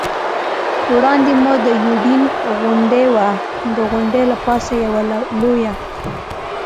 وړاندې مو د یوډین غونډۍ وه، د غونډۍ له پاسه یوه لویه.